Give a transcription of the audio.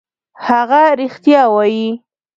هغه رښتیا وايي.